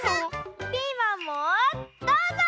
ピーマンもどうぞ！